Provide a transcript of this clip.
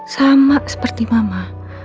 sama seperti mama